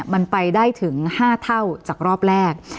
มันไปได้ถึง๕เท่าจากรอบแรก